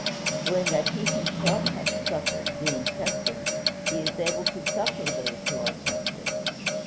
"For in that he himself hath suffered, being tempted, he is able to succor those who are tempted."